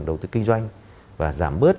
đầu tư kinh doanh và giảm bớt